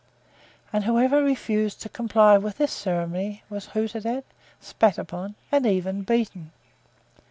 and whoever refused to comply with this ceremony was hooted at, spat upon and even beaten.